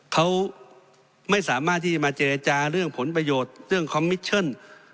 เขาไม่สามารถที่จะมาเจรจาเรื่องผลประโยชน์เรื่องคอมมิชชั่น